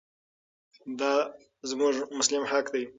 دا زموږ مسلم حق دی.